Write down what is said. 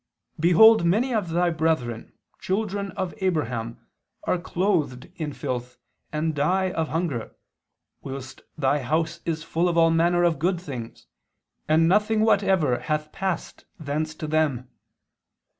Behold many of thy brethren, children of Abraham, are clothed in filth, and die of hunger, whilst thy house is full of all manner of good things, and nothing whatever hath passed thence to them.